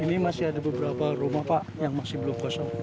ini masih ada beberapa rumah pak yang masih belum kosong